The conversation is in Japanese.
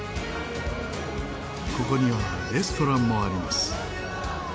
ここにはレストランもあります。